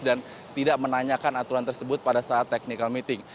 dan tidak menanyakan aturan tersebut pada saat technical meeting